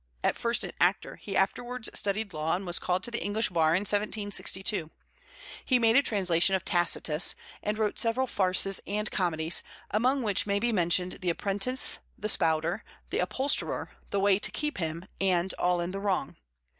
At first an actor, he afterwards studied law and was called to the English bar in 1762. He made a translation of Tacitus, and wrote several farces and comedies, among which may be mentioned The Apprentice; The Spouter; The Upholsterer; The Way to Keep Him; and All in the Wrong.